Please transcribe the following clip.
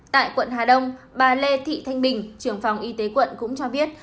tại quận hà đông bà lê thị thanh bình trưởng phòng y tế quận cũng cho biết